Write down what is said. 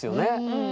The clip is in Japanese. うん。